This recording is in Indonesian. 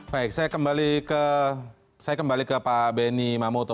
baik saya kembali ke pak benny mamoto